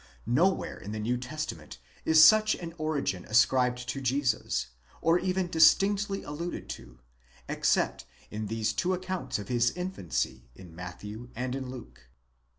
Nowhere in the New Testament is such an origin ascribed to Jesus, or even distinctly alluded to, except in these two accounts of his infancy in Matthew and in Luke.